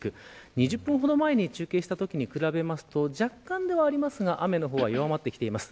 ２０分ほど前に中継したときに比べると若干ではありますが雨の方は弱まってきています。